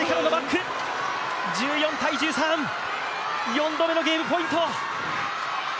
４度目のゲームポイント。